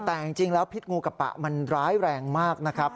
แต่จริงแล้วพิษงูกระปะมันร้ายแรงมากนะครับ